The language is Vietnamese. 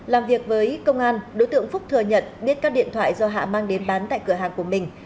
làm việc với công an đối tượng phúc thừa nhận biết các điện thoại do hạ mang đến bán tại cửa hàng của mình